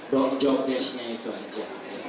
don't job desk nya itu aja